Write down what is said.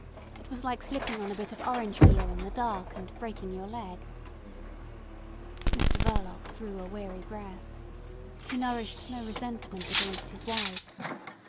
It was like slipping on a bit of orange peel in the dark and breaking your leg. Mr Verloc drew a weary breath. He nourished no resentment against his wife.